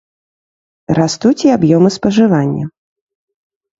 Растуць і аб'ёмы спажывання.